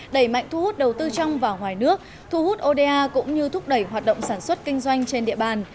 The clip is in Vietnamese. đẩy mạnh thu hút đầu tư trong và ngoài nước thu hút oda cũng như thúc đẩy hoạt động sản xuất kinh doanh trên địa bàn